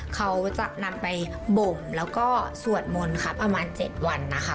เขาจะนำไปบ่มแล้วก็สวดมนต์ค่ะประมาณ๗วันนะคะ